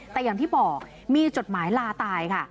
แต่อย่างที่บอกมีจดหมายลาตายค่ะ